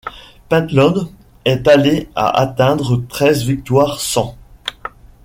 Pentland est allé à atteindre treize victoires Sans.